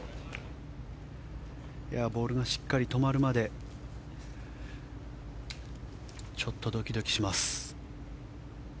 ボールがしっかり止まるまでちょっとドキドキします。